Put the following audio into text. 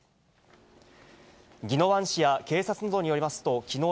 宜野湾市や警察などによりますと、きのう